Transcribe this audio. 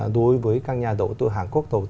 đối với các nhà đầu tư hàn quốc